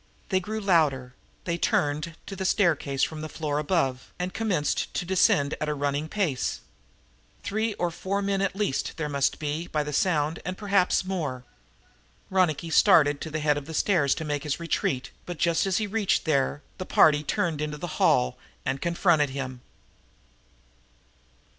They grew louder, they turned to the staircase from the floor above and commenced to descend at a running pace. Three or four men at least, there must be, by the sound, and perhaps more! Ronicky started for the head of the stairs to make his retreat, but, just as he reached there, the party turned into the hall and confronted him.